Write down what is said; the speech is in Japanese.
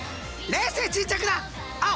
冷静沈着な青！